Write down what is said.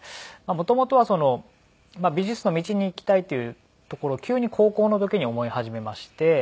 元々は美術の道に行きたいっていうところを急に高校の時に思い始めまして。